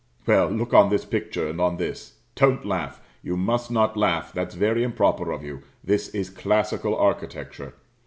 Well, look on this picture, and on this. Don't laugh; you must not laugh, that's very improper of you, this is classical architecture.